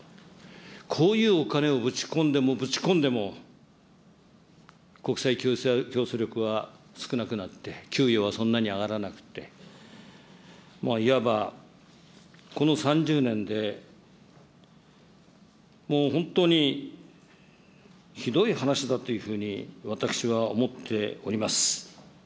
こういうお金をぶち込んでもぶち込んでも、国際競争力は少なくなって、給与はそんなに上がらなくって、いわばこの３０年で、もう本当にひどい話だというふうに私は思っております。